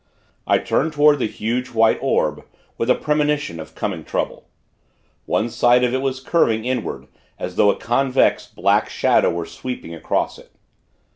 I turned toward the huge, white orb, with a premonition of coming trouble. One side of it was curving inward, as though a convex, black shadow were sweeping across it.